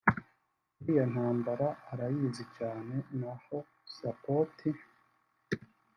iriya ntambara arayizi cyane; naho support